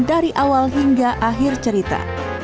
dari awal hingga akhir cerita